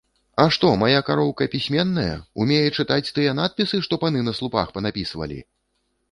А што, мая кароўка пісьменная, умее чытаць тыя надпісы, што паны на слупах панапісвалі?!